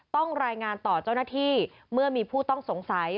ต้องรายงานต่อเจ้าหน้าที่เมื่อมีผู้ต้องสงสัย